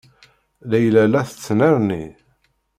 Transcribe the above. Layla la tettnerni.